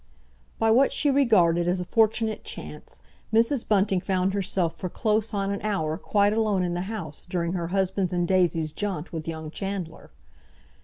By what she regarded as a fortunate chance, Mrs. Bunting found herself for close on an hour quite alone in the house during her husband's and Daisy's jaunt with young Chandler.